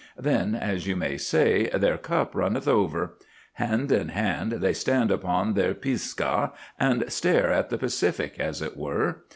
Then, as you may say, their cup runneth over; hand in hand they stand upon their Pisgah and stare at the Pacific as it were.